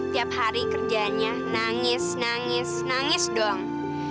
tiap hari kerjanya nangis nangis nangis doang